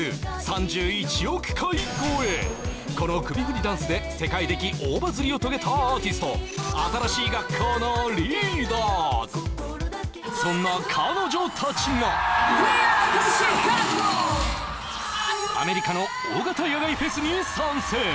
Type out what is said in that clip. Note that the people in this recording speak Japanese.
この首振りダンスで世界的大バズりを遂げたアーティストそんな彼女たちがアメリカの大型野外フェスに参戦